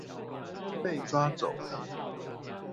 被抓走了